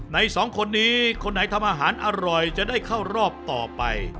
สองคนนี้คนไหนทำอาหารอร่อยจะได้เข้ารอบต่อไป